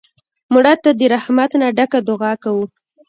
مړه ته د رحمت نه ډکه دعا کوو